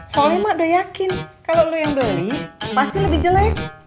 soalnya mah udah yakin kalau lo yang beli pasti lebih jelek